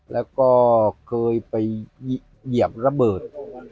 แล้วก็เคยไปเหยียบระเบิด